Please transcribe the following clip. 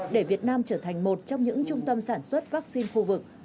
để việt nam trở thành một trong những trung tâm sản xuất vaccine khu vực